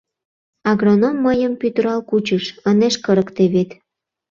Агроном мыйым пӱтырал кучыш, ынеж кырыкте вет.